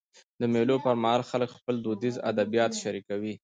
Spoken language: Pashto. د مېلو پر مهال خلک خپل دودیز ادبیات شريکوي.